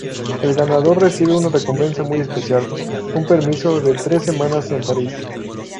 El ganador recibe una recompensa muy especial: un permiso de tres semanas en París.